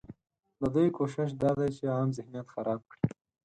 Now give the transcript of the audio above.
ددوی کوشش دا دی چې عام ذهنیت خراب کړي